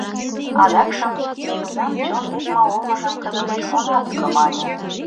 Адакшым Меҥызан чон лекме олмыжым кызытеш она тӱкӧ, мане.